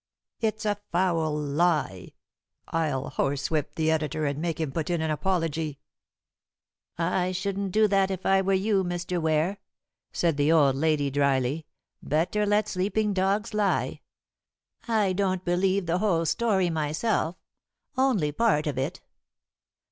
"It's a foul lie. I'll horsewhip the editor and make him put in an apology." "I shouldn't do that if I were you, Mr. Ware," said the old lady dryly. "Better let sleeping dogs lie. I don't believe the whole story myself only part of it."